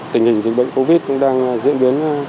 tình hình dịch bệnh covid đang diễn biến